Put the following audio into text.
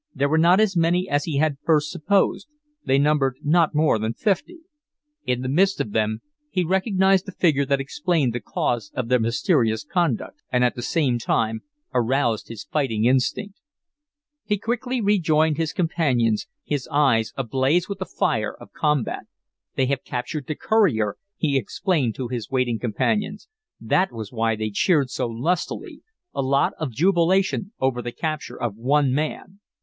There were not as many as he had at first supposed they numbered not more than fifty. In the midst of them he recognized a figure that explained the cause of their mysterious conduct, and at the same time aroused his fighting instinct. He quickly rejoined his companions, his eyes ablaze with the fire of combat. "They have captured the courier," he explained to his waiting companions. "That was why they cheered so lustily. A lot of jubilation over the capture of one man!"